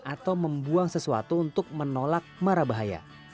atau membuang sesuatu untuk menolak marah bahaya